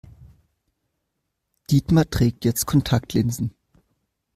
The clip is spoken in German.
Dietmar trägt jetzt Kontaktlinsen.